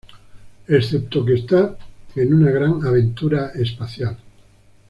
Excepto que está en una gran aventura espacial.